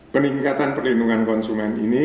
peningkatan perlindungan konsumen ini